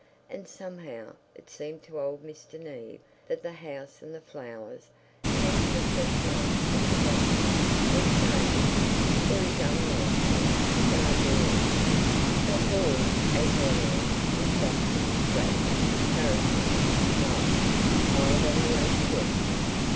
And somehow, it seemed to old Mr. Neave that the house and the flowers, and even the fresh marks on the drive, were saying, "There is young life here. There are girls—" The hall, as always, was dusky with wraps, parasols, gloves, piled on the oak chests.